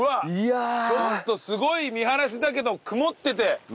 「ちょっとすごい見晴らしだけど曇ってて」